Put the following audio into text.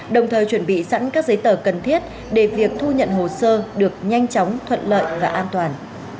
đồng thời chuẩn bị sẵn các giấy tờ cần thiết để việc thu nhận hồ sơ được nhanh chóng thuận lợi và an toàn